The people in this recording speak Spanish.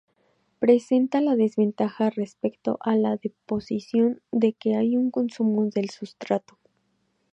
Presenta la desventaja respecto a la deposición de que hay un consumo del sustrato.